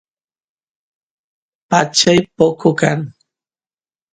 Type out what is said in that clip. pachay poco kan